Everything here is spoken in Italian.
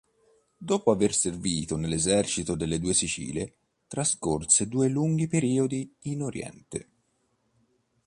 Dopo aver servito nell'esercito delle Due Sicilie trascorse due lunghi periodi in Oriente.